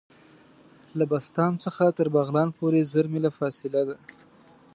له بسطام څخه تر بغلان پوري زر میله فاصله ده.